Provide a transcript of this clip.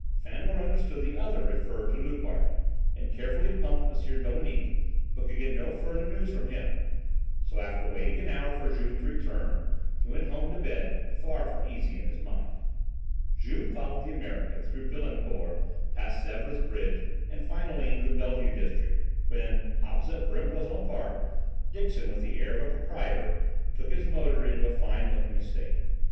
Fandor understood "The other" referred to Loupart, and carefully pumped M. Dominique, but could get no further news from him, so, after waiting an hour for Juve to return, he went home to bed far from easy in his mind. Juve followed the American through Billancourt, past Sèvres Bridge, and finally into the Bellevue District, when, opposite Brimboison Park, Dixon, with the air of a proprietor, took his motor into a fine looking estate.